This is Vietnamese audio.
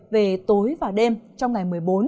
về tối và đêm trong ngày một mươi bốn